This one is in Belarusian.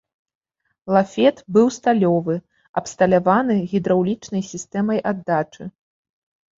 Лафет быў сталёвы, абсталяваны гідраўлічнай сістэмай аддачы.